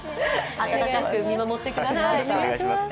温かく見守ってあげてください。